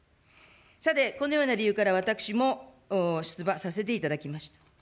さて、このような理由から私も出馬させていただきました。